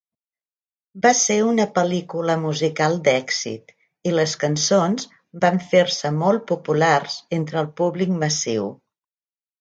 Va ser una pel·lícula musical d'èxit i les cançons van fer-se molt populars entre el públic massiu.